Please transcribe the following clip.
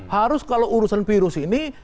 harus kalau urusan virus ini